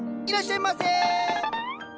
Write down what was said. いらっしゃいませ！